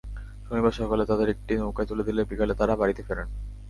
শনিবার সকালে তাঁদের একটি নৌকায় তুলে দিলে বিকেলে তাঁরা বাড়িতে ফেরেন।